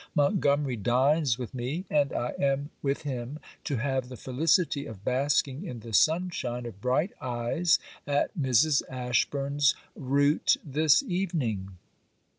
Montgomery dines with me; and I am, with him, to have the felicity of basking in the sunshine of bright eyes at Mrs. Ashburn's route this evening.